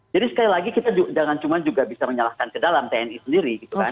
jadi sekali lagi kita jangan cuma bisa menyalahkan ke dalam tni sendiri